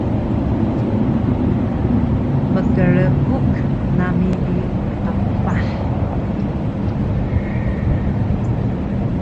mkrbuk nami bi qmeepah